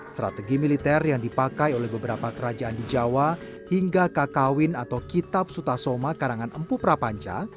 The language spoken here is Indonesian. strategi militer yang dipakai oleh beberapa kerajaan di jawa hingga kakawin atau kitab sutasoma karangan empu prapanca